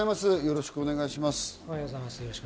よろしくお願いします。